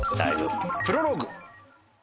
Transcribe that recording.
プロローグ。